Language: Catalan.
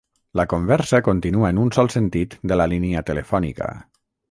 La conversa continua en un sol sentit de la línia telefònica.